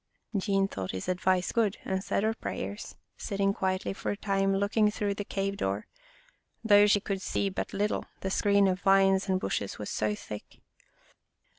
Jean thought his advice good and said her prayers, sitting quietly for a time, looking through the cave door, though she could see but little, the screen of vines and bushes was so thick.